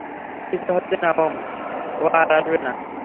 কিছুই হচ্ছে না ওম, ও আর আসবে না।